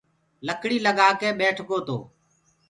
لڪڙيٚ لگآڪي ٻيٺَگو تو